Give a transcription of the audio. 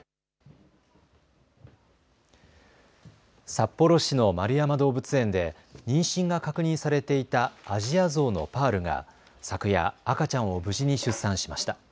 札幌市の円山動物園で妊娠が確認されていたアジアゾウのパールが昨夜、赤ちゃんを無事に出産しました。